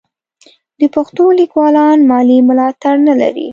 د پښتو لیکوالان مالي ملاتړ نه لري.